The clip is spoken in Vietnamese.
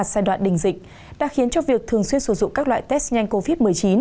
giai đoạn đình dịch đã khiến cho việc thường xuyên sử dụng các loại test nhanh covid một mươi chín